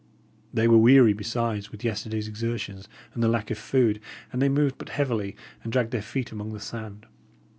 They were weary, besides, with yesterday's exertions and the lack of food, and they moved but heavily and dragged their feet among the sand.